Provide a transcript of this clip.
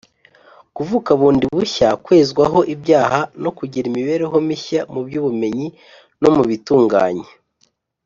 kuvuka bundi bushya, kwezwaho ibyaha, no kugira imibereho mishya mu by’ubumenyi no mu bitunganye